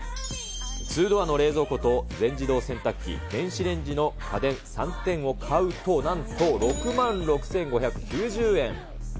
２ドアの冷蔵庫と全自動洗濯機、電子レンジの家電３点を買うと、なんと６万６５９０円。